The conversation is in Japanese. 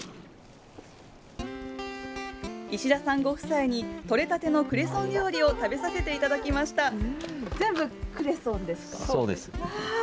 石田さんご夫妻に、取れたてのクレソン料理を食べさせていただきました。